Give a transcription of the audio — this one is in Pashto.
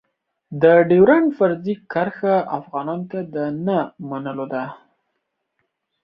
د ډېورنډ فرضي کرښه افغانانو ته د نه منلو ده.